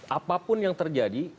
apapun yang terjadi